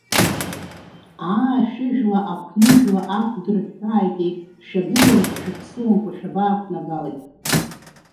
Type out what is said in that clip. Аа, шәыжәла ақәны жәла ақәдырҳәҳәааитеи, шәагыруамкәа шәаԥсуамкәа шәабақәнагалеи!